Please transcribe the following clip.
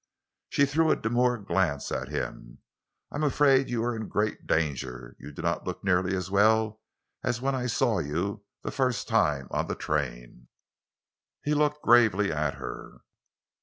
She threw a demure glance at him. "I am afraid you are in great danger; you do not look nearly as well as when I saw you, the first time, on the train." He looked gravely at her.